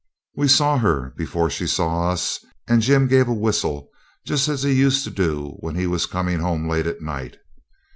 We saw her before she saw us, and Jim gave a whistle just as he used to do when he was coming home late at night.